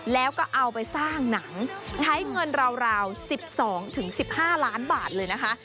แล้วก็เอาไปสร้างหนังใช้เงินราว๑๒๑๕ล้านบาทเลยนะคะ